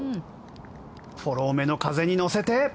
フォローめの風に乗せて。